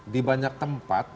di banyak tempat